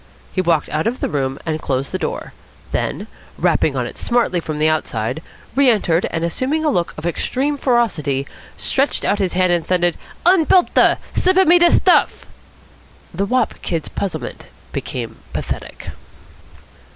He walked out of the room and closed the door; then, rapping on it smartly from the outside, re entered and, assuming a look of extreme ferocity, stretched out his hand and thundered: "Unbelt a! Slip a me da stuff!" The wop kid's puzzlement became pathetic.